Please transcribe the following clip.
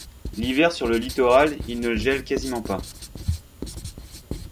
L'hiver sur le littoral il ne gèle quasiment pas.